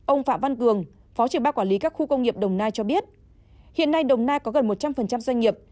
ông phạm văn cường phó trưởng ban quản lý các khu công nghiệp đồng nai cho biết hiện nay đồng nai có gần một trăm linh doanh nghiệp